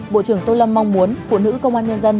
bộ trưởng tô lâm mong muốn phụ nữ công an nhân dân